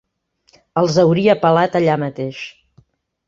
Els hauria pelat allà mateix.